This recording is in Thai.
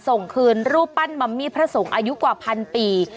ส่งคืนรูปปั้นมัมมี่พระสงฆ์อายุกว่าพันปี